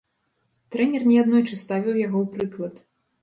Трэнер не аднойчы ставіў яго ў прыклад.